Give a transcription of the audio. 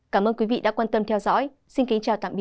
cảm ơn quý vị đã quan tâm theo dõi xin kính chào tạm biệt và hẹn gặp lại